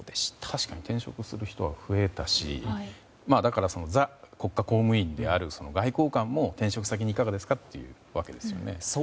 確かに転職する人は増えたしザ・国家公務員である外交官も、転職先にいかがですかというわけですよね。